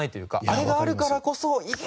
あれがあるからこそ「いけ！